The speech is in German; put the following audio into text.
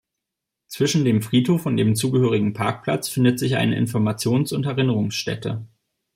Zwischen dem Friedhof und dem zugehörigen Parkplatz findet sich eine Informations- und Erinnerungsstätte.